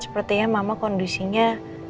sepertinya mama kondisinya